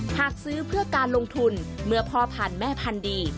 หากซื้อเพื่อการลงทุนเมื่อพ่อพันธุ์แม่พันธุ์ดี